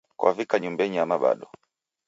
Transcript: Kwavika nyumbenyi ama bado.